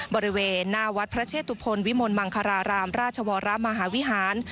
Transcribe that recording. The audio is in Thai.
บริเวณหน้าวัดพระเชตุพลวิมลมังคารารามราชวรมหาวิหาร